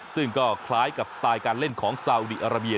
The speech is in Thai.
ซึ่งก็คล้ายกับสไตล์การเล่นของซาอุดีอาราเบีย